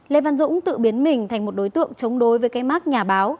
lê văn dũng tự biến mình thành một đối tượng chống đối với cái mát nhà báo